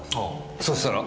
そしたら？